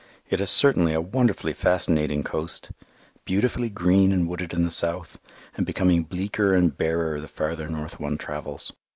It is certainly a wonderfully fascinating coast, beautifully green and wooded in the south, and becoming bleaker and barer the farther north one travels.